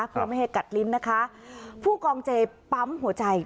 เพื่อไม่ให้กัดลิ้นนะคะผู้กองเจปั๊มหัวใจ